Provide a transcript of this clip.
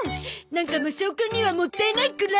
なんかマサオくんにはもったいないくらい！